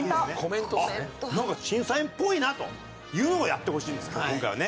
あっなんか審査員っぽいなというのをやってほしいんです今回はね。